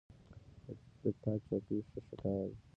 د تا چوکۍ ښه ښکاري